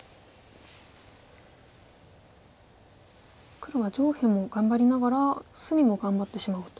黒は上辺も頑張りながら隅も頑張ってしまおうと。